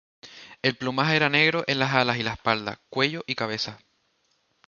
El plumaje era negro en las alas y la espalda, cuello y cabeza.